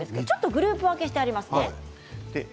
グループ分けしてあります。